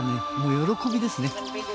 喜びですね。